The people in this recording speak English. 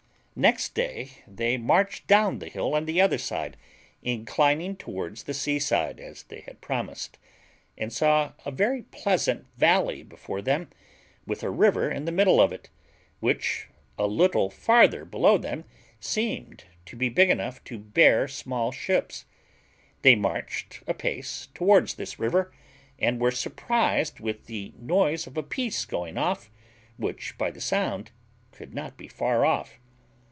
Next day they marched down the hill on the other side, inclining towards the seaside, as they had promised, and saw a very pleasant valley before them, with a river in the middle of it, which, a little farther below them, seemed to be big enough to bear small ships; they marched apace towards this river, and were surprised with the noise of a piece going off, which, by the sound, could not be far off.